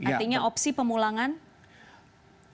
artinya opsi pemulangan dibuka